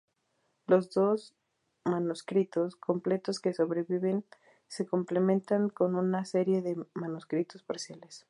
Los dos manuscritos completos que sobreviven se complementan con una serie de manuscritos parciales.